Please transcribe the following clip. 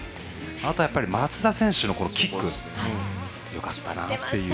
あとはやっぱり松田選手のキックよかったなという。